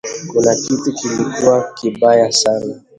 Kuna kitu kilikuwa kibaya sana